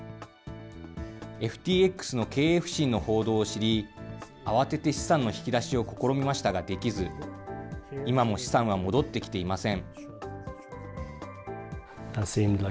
ＦＴＸの経営不振の報道を知り、慌てて資産の引き出しを試みましたができず、今も資産は戻ってきていません。